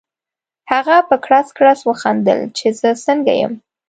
هغه په کړس کړس وخندل چې زه څنګه یم؟